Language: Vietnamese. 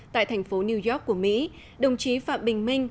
tại thành phố new york của mỹ đồng chí phạm bình minh